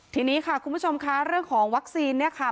ทีนี้ค่ะคุณผู้ชมค่ะเรื่องของวัคซีนเนี่ยค่ะ